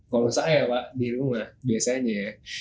kalau saya ya pak di rumah biasanya